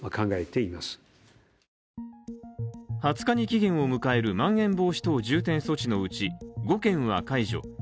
２０日に期限を迎えるまん延防止等重点措置のうち、５県は解除。